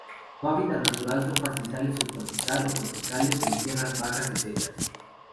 Su hábitat natural son pastizales subtropical o tropicales en tierras bajas y secas.